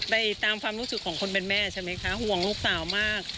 ไปตามความรู้สึกของคนเป็นแม่ใช่ไหมคะห่วงลูกสาวมาก